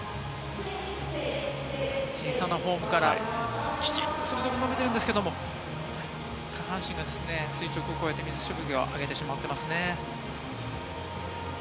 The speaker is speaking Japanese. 小さなフォームから、きちんと行っているんですけれども、下半身が垂直を越えて水しぶきを上げてしまっていますね。